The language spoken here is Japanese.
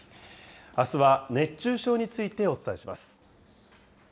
あすは熱中症についてお伝えします。